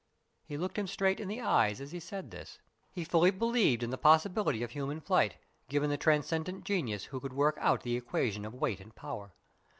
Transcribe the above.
He looked him straight in the eyes as he said this. He fully believed in the possibility of human flight, given the transcendent genius who could work out the equation of weight and power.